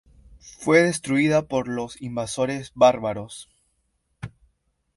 Fue destruida por los invasores bárbaros.